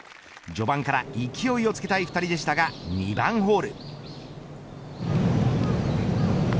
序盤から勢いをつけたい２人でしたが２番ホール。